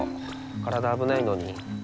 体危ないのに。